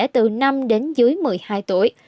từ năm đến dưới một mươi hai tuổi